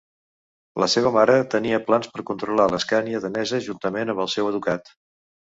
La seva mare tenia plans per controlar l'Escània danesa juntament amb el seu ducat.